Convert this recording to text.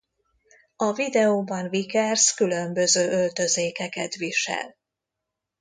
A videóban Vickers különböző öltözékeket visel.